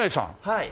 はい。